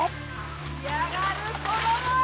いやがるこどもは。